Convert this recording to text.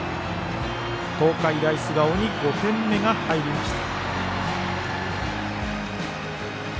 東海大菅生に５点目が入りました。